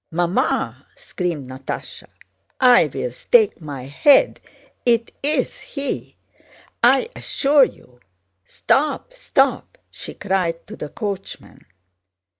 "Mamma," screamed Natásha, "I'll stake my head it's he! I assure you! Stop, stop!" she cried to the coachman.